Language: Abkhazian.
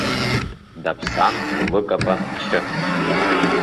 Даԥсан лыкапан ахьы.